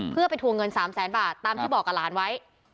เพื่อไปทวงเงิน๓แสนบาทตามที่บอกกับหลานไว้